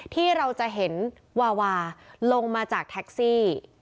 ที่เราจะเห็นวาวาลงมาจากแท็กซี่